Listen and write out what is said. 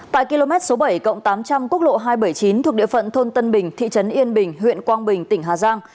tại km số bảy cộng tám trăm linh quốc lộ hai trăm bảy mươi chín thuộc địa phận thôn tân bình thị trấn yên bình huyện quang bình tỉnh hà giang